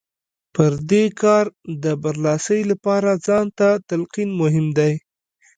پر دې کار د برلاسۍ لپاره ځان ته تلقين مهم دی.